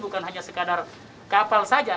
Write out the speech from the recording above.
bukan hanya sekadar kapal saja